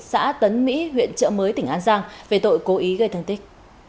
cả tấn mỹ huyện trợ mới tỉnh an giang về tội cố ý gây thân tích